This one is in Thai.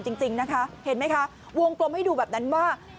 จริงนะคะเห็นไหมคะวงกลมให้ดูแบบนั้นว่า